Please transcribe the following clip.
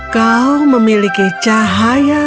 kau memiliki cahaya